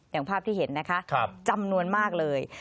อย่างภาพที่เห็นนะคะจำนวนมากเลย